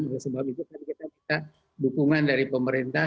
oleh sebab itu kita dapat dukungan dari pemerintah